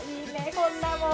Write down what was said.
こんなもう。